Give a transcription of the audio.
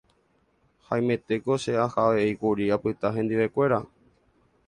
haimetéko che aha avei kuri apyta hendivekuéra